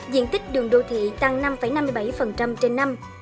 diện tích đường đô thị tăng năm năm mươi bảy trên năm